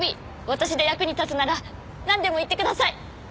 私で役に立つならなんでも言ってください！